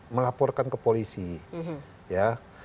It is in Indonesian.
melaporkan ke polisi ya